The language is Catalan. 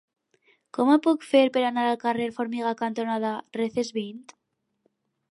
Com ho puc fer per anar al carrer Formiga cantonada Recesvint?